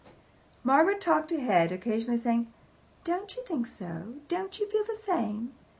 Margaret talked ahead, occasionally saying, "Don't you think so? don't you feel the same?"